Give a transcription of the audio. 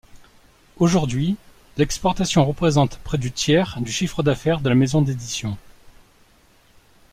Aujourd’hui, l’exportation représente près du tiers du chiffre d’affaires de la maison d'édition.